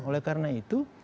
oleh karena itu